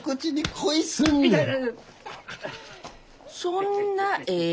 そんなええ